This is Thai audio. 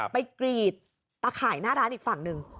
ไปกรีดไปขายหน้าร้านอีกฝั่งนึง